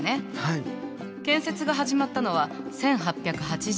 建設が始まったのは１８８２年。